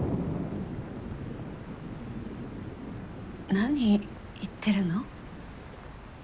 何言ってるの？